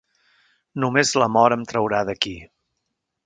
Només la mort em traurà d'aquí.